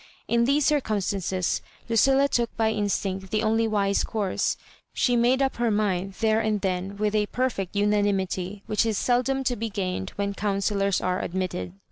In these circum stances Lucilla took by instmct the only wise course: she made up her mind there and then with a perfect unanimity which is seldom to be gained when counsellors are admitted.